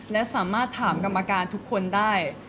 และสามารถถามกรรมการทุกคนได้